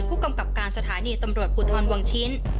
ผู้กำกับการสถานีตำรวจภูทรวังชิ้น